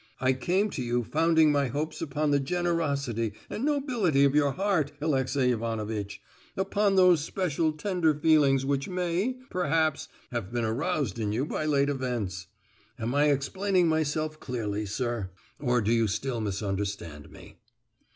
I came to you founding my hopes upon the generosity and nobility of your heart, Alexey Ivanovitch—upon those special tender feelings which may, perhaps, have been aroused in you by late events. Am I explaining myself clearly, sir; or do you still misunderstand me?"